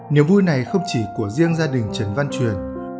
niềm vui này không chỉ của riêng gia đình trần văn truyền